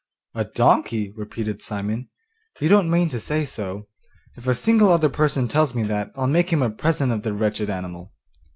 'A donkey!' repeated Simon, 'you don't mean to say so; if a single other person tells me that, I'll make him a present of the wretched animal.